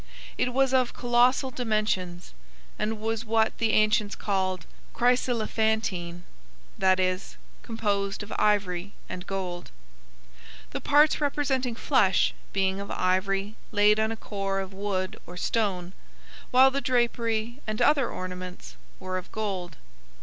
It was of colossal dimensions, and was what the ancients called "chryselephantine;" that is, composed of ivory and gold; the parts representing flesh being of ivory laid on a core of wood or stone, while the drapery and other ornaments were of gold.